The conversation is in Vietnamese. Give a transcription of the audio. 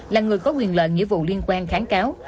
là người có quyền lợi nghĩa vụ liên quan kháng cáo